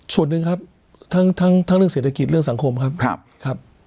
ส่วนหนึ่งครับทั้งเรื่องเศรษฐกิจเรื่องสังคมครับครับ